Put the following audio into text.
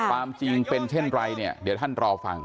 ความจริงเป็นเช่นไรเนี่ยเดี๋ยวท่านรอฟัง